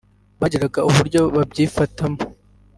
bagiraga uburyo babyifatamo